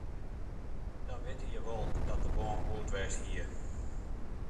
Dan witte je wol dat de bân goed west hie.